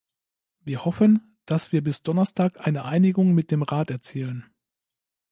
Wir hoffen, dass wir bis Donnerstag eine Einigung mit dem Rat erzielen.